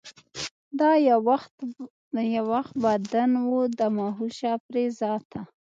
دا یو وخت بدن و د مهوشه پرې ذاته